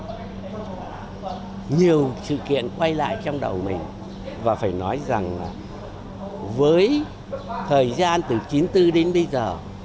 nhiều sự kiện quay lại trong đầu mình và phải nói rằng là với thời gian từ chín mươi bốn đến bây giờ